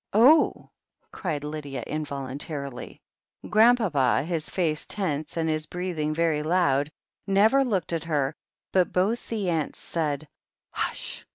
"Oh !" cried Lydia involuntarily. 14 THE HEEL OF ACHILLES Grandpapa, his face tense and his breathing very loud, never looked at her, but both the aunts said, "Hush!"